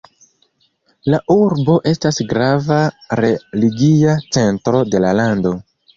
La urbo estas grava religia centro de la lando.